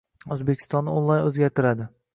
O'zbekistonni onlayn o'zgartiradi!